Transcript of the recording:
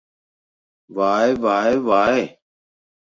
Vai, vai, vai!